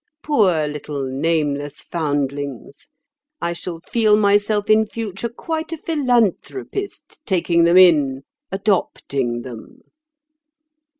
Poor little nameless foundlings! I shall feel myself in future quite a philanthropist, taking them in, adopting them."